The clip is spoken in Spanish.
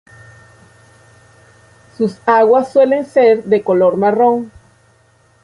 Sus aguas suelen ser de color marrón.